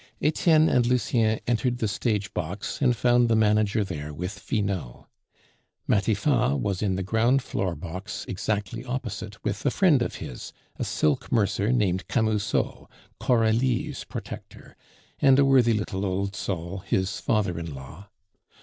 Etienne and Lucien entered the stage box, and found the manager there with Finot. Matifat was in the ground floor box exactly opposite with a friend of his, a silk mercer named Camusot (Coralie's protector), and a worthy little old soul, his father in law.